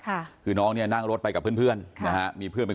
ค่ะคือน้องเนี้ยนั่งรถไปกับเพื่อนครับมีเพื่อนเป็น